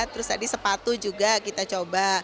terus tadi sepatu juga kita coba